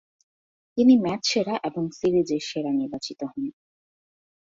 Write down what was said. তিনি ম্যাচ সেরা এবং সিরিজের সেরা নির্বাচিত হন।